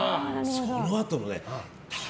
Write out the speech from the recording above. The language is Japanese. そのあとの届け！